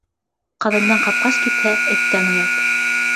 Ҡаҙандан ҡапҡас китһә, эттән оят